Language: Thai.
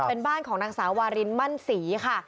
เป็นบ้านของนางสาววารินมั่นศรีค่ะ